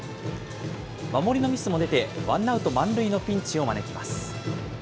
守りのミスも出て、ワンアウト満塁のピンチを招きます。